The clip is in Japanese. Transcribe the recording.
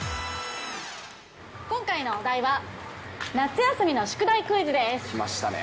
今回のお題は、夏休みの宿題きましたね。